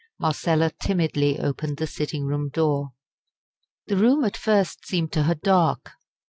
Marcella timidly opened the sitting room door. The room at first seemed to her dark.